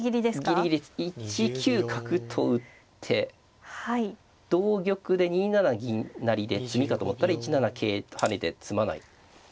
ギリギリ１九角と打って同玉で２七銀成で詰みかと思ったら１七桂跳ねて詰まない。